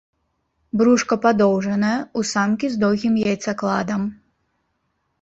Брушка падоўжанае, у самкі з доўгім яйцакладам.